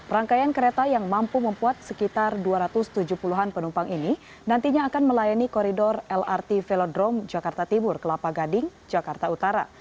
rangkaian kereta yang mampu membuat sekitar dua ratus tujuh puluh an penumpang ini nantinya akan melayani koridor lrt velodrome jakarta timur kelapa gading jakarta utara